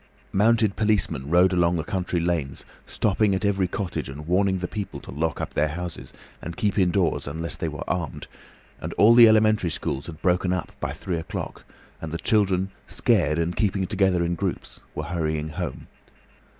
Mounted policemen rode along the country lanes, stopping at every cottage and warning the people to lock up their houses, and keep indoors unless they were armed, and all the elementary schools had broken up by three o'clock, and the children, scared and keeping together in groups, were hurrying home.